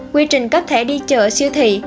quy trình cấp thẻ đi chợ siêu thị